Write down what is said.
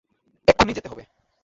এক্ষুণি যেতে হবে।